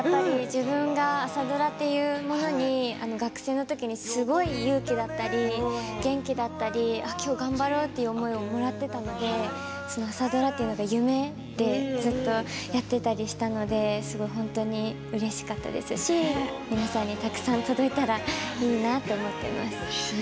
自分が朝ドラというものに学生の時にすごく勇気だったり元気だったり今日、頑張ろうという思いをもらっていたので朝ドラというのが夢でずっとやっていたので本当にうれしかったですし皆さんにたくさん届いたらいいなと思っています。